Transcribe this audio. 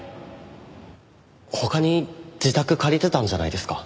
他に自宅借りてたんじゃないですか。